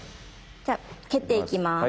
じゃあ蹴っていきます。